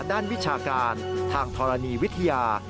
วิชาการทางธรณีวิทยา